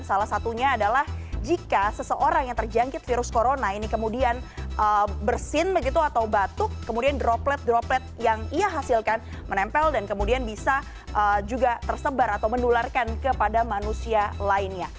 salah satunya adalah jika seseorang yang terjangkit virus corona ini kemudian bersin begitu atau batuk kemudian droplet droplet yang ia hasilkan menempel dan kemudian bisa juga tersebar atau menularkan kepada manusia lainnya